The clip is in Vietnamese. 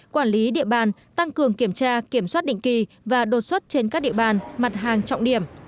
quản lý địa bàn tăng cường kiểm tra kiểm soát định kỳ và đột xuất trên các địa bàn mặt hàng trọng điểm